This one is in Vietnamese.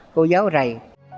cô giáo rầy